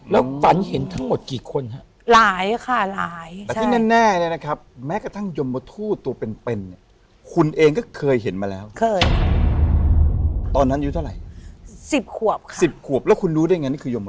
แล้วฝันเห็นทั้งหมดกี่คนฮะบ๊วยใหม่ตอนนั้นอยู่เท่าไหร่มันกลายแน่